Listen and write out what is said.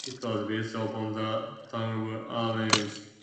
It was based upon the town of Annaberg.